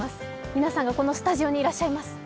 皆さんがこのスタジオにいらっしゃいます。